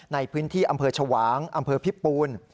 ในพื้นที่อำเภอชวางอำเภอพิปูน